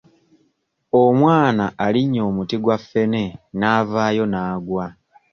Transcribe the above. Omwana alinnye omuti gwa ffene n'avaayo n'agwa